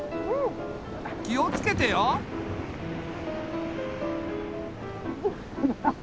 気をつけてよ。ハハハ。